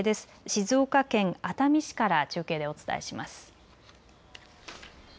静岡県熱海市から中継でお伝えします。